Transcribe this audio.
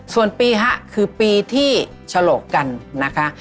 ส่วนปี๕คือปีที่ฉลกกันนะคะ